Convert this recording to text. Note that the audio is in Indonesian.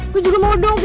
gue tau deh